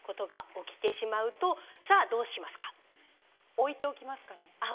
置いておきます。